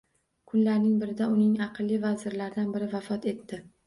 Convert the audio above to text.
Kunlarning birida uning aqlli vazirlaridan biri vafot etdi